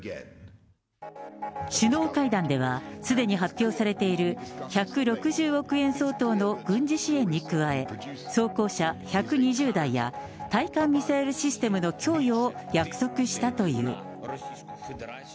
首脳会談ではすでに発表されている１６０億円相当の軍事支援に加え、装甲車１２０台や、対艦ミサイルシステムの供与を約束したという。